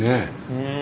うん！